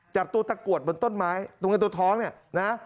จับตัวตะกรวดบนต้นไม้ตัวเงินตัวทองเนี่ยนะ